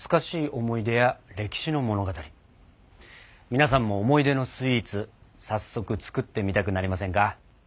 皆さんも思い出のスイーツ早速作ってみたくなりませんか？